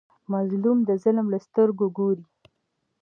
مظلوم د ظالم له سترګو ګوري.